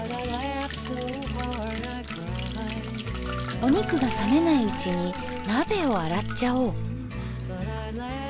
お肉が冷めないうちに鍋を洗っちゃおう。